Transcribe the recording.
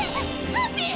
ハッピー！